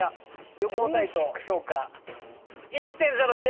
旅行サイト評価１．０です。